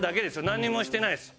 なんにもしてないです。